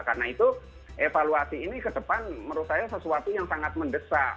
karena itu evaluasi ini kedepan menurut saya sesuatu yang sangat mendesak